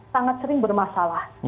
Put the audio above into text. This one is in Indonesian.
sangat sering bermasalah